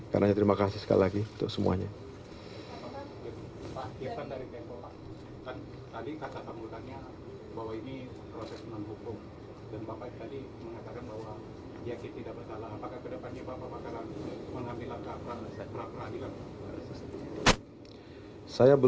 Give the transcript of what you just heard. karena itu terima kasih sekali lagi untuk semuanya